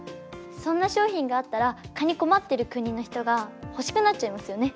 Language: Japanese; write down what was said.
そんな商品があったら蚊に困っている国の人が欲しくなっちゃいますよね。